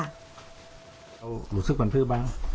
เธอหลุดซึกบรรพื้นบ้าง